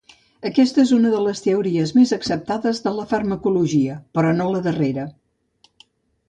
Aquesta és una de les teories més acceptades de la farmacologia però no la darrera.